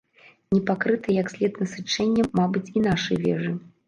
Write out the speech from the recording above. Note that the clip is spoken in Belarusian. Не пакрытыя як след насычэннем, мабыць, і нашы вежы.